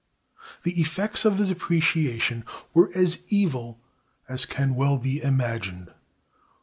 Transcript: The effects of the depreciation were as evil as can well be imagined.